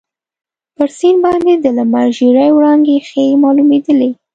پر سیند باندي د لمر ژېړې وړانګې ښې معلومیدلې.